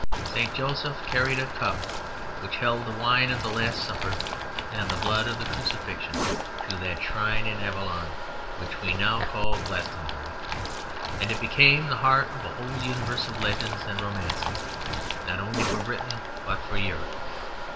St. Joseph carried the cup which held the wine of the Last Supper and the blood of the Crucifixion to that shrine in Avalon which we now call Glastonbury; and it became the heart of a whole universe of legends and romances, not only for Britain but for Europe.